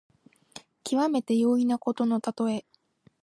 きわめて容易なことのたとえ。